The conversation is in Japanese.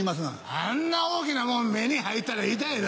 あんな大きなもん目に入ったら痛いぞ。